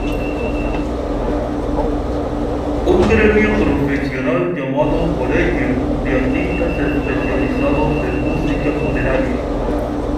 Un gremio profesional llamado "collegium" de artistas especializados en música funeraria.